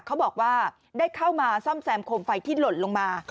เขาบอกว่าได้เข้ามาซ่อมแซมโคมไฟที่หล่นลงมา